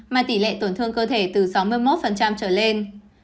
mà tỷ lệ tổn thương cơ thể từ sáu mươi một trở lên